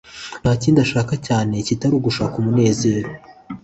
ntakindi ashaka cyane kitari ugushaka umunezero